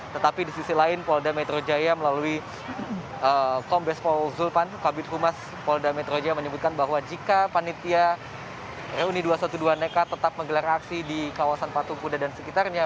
tetapi di sisi lain polda metro jaya melalui kombes paul zulpan kabit humas polda metro jaya menyebutkan bahwa jika panitia reuni dua ratus dua belas nekat tetap menggelar aksi di kawasan patung kuda dan sekitarnya